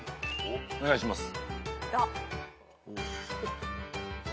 お願いします。